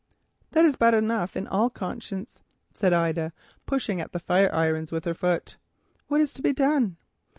"That is bad enough in all conscience," said Ida, pushing at the fireirons with her foot. "What is to be done?"